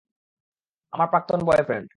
আমার প্রাক্তন বয়ফ্রেন্ড।